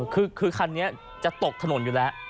คือคันนี้จะตกถนนอยู่แล้ว